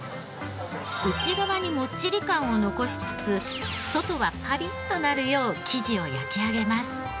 内側にもっちり感を残しつつ外はパリッとなるよう生地を焼き上げます。